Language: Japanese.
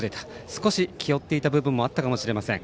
少し気負っていた部分もあったかもしれません。